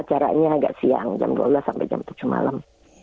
acaranya agak siang jam dua belas sampai jam tujuh malam